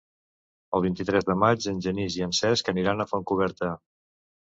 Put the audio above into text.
El vint-i-tres de maig en Genís i en Cesc aniran a Fontcoberta.